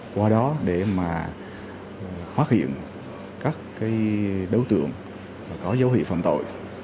qua đó để mà phát hiện các đối tượng có dấu hiệu phạm tội